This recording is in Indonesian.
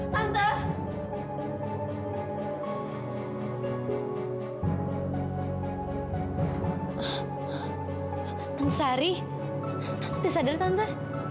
tante sadar tante